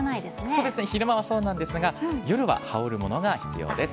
そうですね、昼間はそうなんですが、夜は羽織るものが必要です。